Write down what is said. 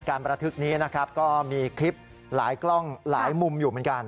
ประทึกนี้นะครับก็มีคลิปหลายกล้องหลายมุมอยู่เหมือนกัน